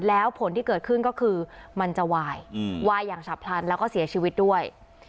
แล้วผลที่เกิดขึ้นก็คือมันจะวายวายอย่างฉับพลันแล้วก็เสียชีวิตด้วย